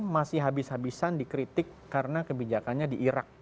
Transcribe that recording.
masih habis habisan dikritik karena kebijakannya di irak